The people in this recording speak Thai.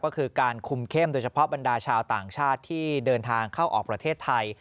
ก็คือการคุมเข้มโดยเฉพาะบรรดาชาวต่างชาติที่เดินทางเข้าออกประเทศไทย